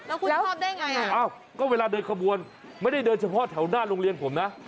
แล้วคุณชอบได้ไงก็เวลาเดินขบวนไม่ได้เดินเฉพาะแถวหน้าโรงเรียนผมนะ